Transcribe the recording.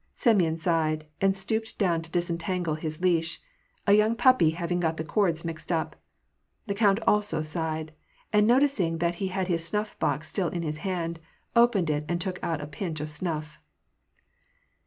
Semyon sighed, and stooped down to disentangle his leash, a young puppy having got the cords mixed up. The count also sighed ; and, noticing that he had his snufF box still in his hand, opened it and took out a pinch of snuff.